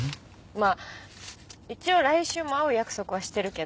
まあ一応来週も会う約束はしてるけど。